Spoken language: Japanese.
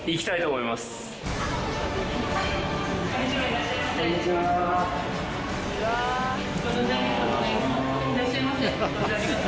いらっしゃいませ。